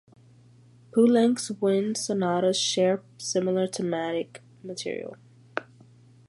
Poulenc's wind sonatas share similar thematic material.